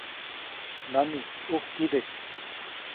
¡Nani, ʼujkide!